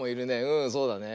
うんそうだね。